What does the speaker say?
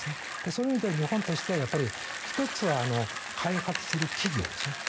そういう意味では日本としては１つは開発する企業ですね。